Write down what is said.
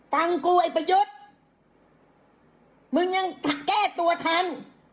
กูไอ้ประยุทธ์มึงยังแก้ตัวทัน